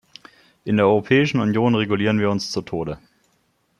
In der Europäischen Union regulieren wir uns zu Tode.